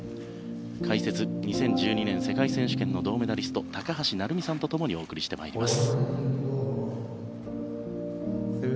解説、２０１２年世界選手権の銅メダリスト高橋成美さんと共にお送りしてまいります。